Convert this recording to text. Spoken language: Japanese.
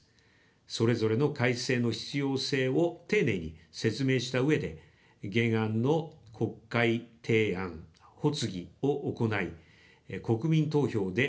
それぞれの改正の必要性を丁寧に説明したうえで、原案の国会提案・発議を行い、国民投票で判断を仰ぎます。